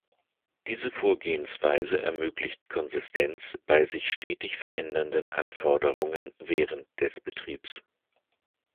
Diese Vorgehensweise ermöglicht Konsistenz bei sich stetig verändernden Anforderungen während des Betriebs.